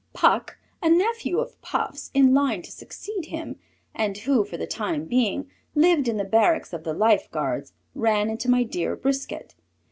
Puck, a nephew of Puff's, in line to succeed him and who, for the time being, lived in the barracks of the Life Guards, ran into my dear Brisquet.